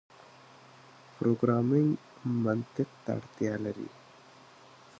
پروګرامنګ منطق ته اړتیا لري.